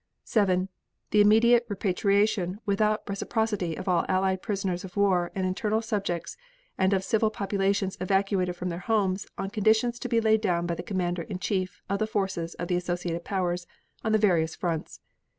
7. The immediate repatriation without reciprocity of all Allied prisoners of war and internal subjects and of civil populations evacuated from their homes on conditions to be laid down by the commander in chief of the forces of the associated Powers on the various fronts.